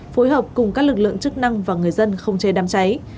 phối hợp cùng các lực lượng chức năng và người dân không chế đám cháy